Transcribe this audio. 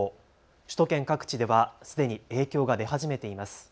首都圏各地ではすでに影響が出始めています。